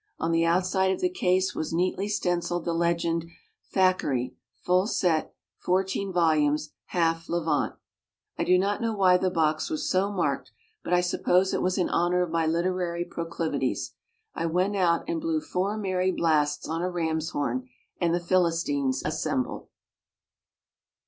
On the outside of the case was neatly stenciled the legend, "Thackeray, Full sett, 14 vol., half Levant." I do not know why the box was so marked, but I suppose it was in honor of my literary proclivities. I went out and blew four merry blasts on a ram's horn, and the Philistines assembled.